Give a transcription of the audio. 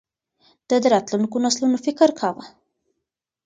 ده د راتلونکو نسلونو فکر کاوه.